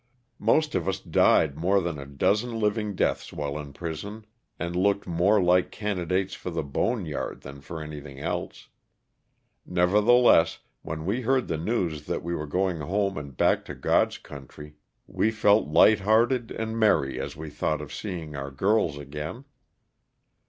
Most of us died more than a dozen living deaths while in prison, and looked more like candidates for the bone yard than for anything else. Nevertheless, when we heard the news that we were going home and back to God's country, we felt light 100 LOSS OF THE SULTANA. hearted and merry as we thought of seeing our girls again.